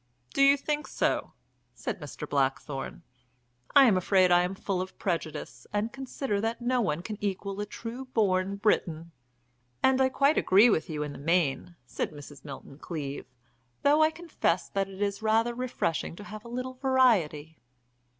"Do you think so?" said Mr. Blackthorne. "I am afraid I am full of prejudice, and consider that no one can equal a true born Briton." "And I quite agree with you in the main," said Mrs. Milton Cleave. "Though I confess that it is rather refreshing to have a little variety."